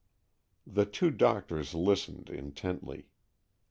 The two doctors listened intently.